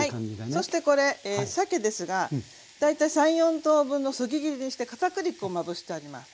そしてこれさけですが大体３４等分のそぎ切りにしてかたくり粉をまぶしてあります。